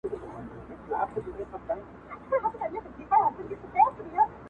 • مــروره در څه نـه يمـه ه.